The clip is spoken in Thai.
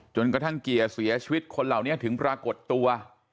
จนกระทั่งเกียร์เสียชีวิตคนเหล่านี้ถึงปรากฏตัว